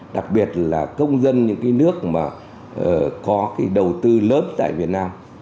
đặc biệt là công dân những cái nước mà có cái đầu tư lớn tại việt nam